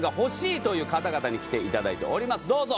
どうぞ！